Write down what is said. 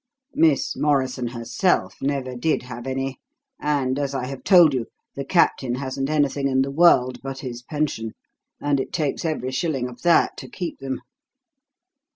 Miss Morrison herself never did have any, and, as I have told you, the Captain hasn't anything in the world but his pension; and it takes every shilling of that to keep them.